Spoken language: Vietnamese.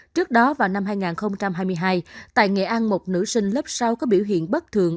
trước đó vào năm hai nghìn hai mươi hai tại nghệ an một nữ sinh lớp sáu có biểu hiện bất thường